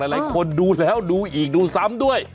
หลายคนดูแล้วดูอีกดูซ้ำด้วย